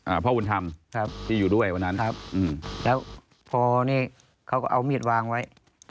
พ่อบุญธรรมครับที่อยู่ด้วยวันนั้นครับอืมแล้วพอนี่เขาก็เอามีดวางไว้